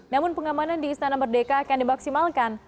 namun pengamanan di istana merdeka akan dimaksimalkan